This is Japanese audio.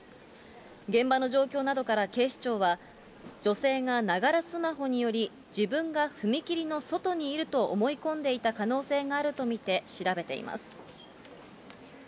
現場の状況などから警視庁は、女性がながらスマホにより、自分が踏切の外にいると思い込んでいた可能性があると見て、調べています。